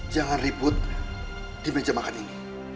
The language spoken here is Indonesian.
jangan ribut di meja makan ini